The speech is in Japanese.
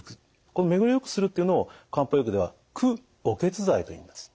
この巡りをよくするっていうのを漢方薬では駆血剤といいます。